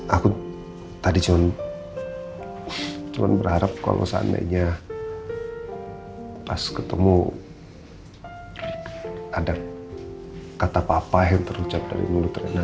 aku tadi cuma berharap kalau seandainya pas ketemu ada kata papa yang terucap dari mulut rendang